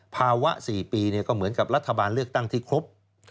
ภาวะ๔ปีก็เหมือนกับรัฐบาลเลือกตั้งที่ครบ